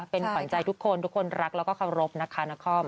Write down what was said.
เป็นขวัญใจทุกคนทุกคนรักแล้วก็รับนะคะนักคอม